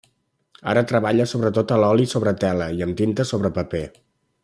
Ara treballa sobretot a l'oli sobre tela i amb tinta sobre paper.